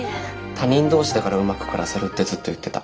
他人同士だからうまく暮らせるってずっと言ってた。